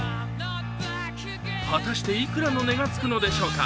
果たしていくらの値がつくのでしょうか。